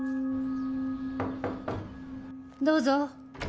どうぞ。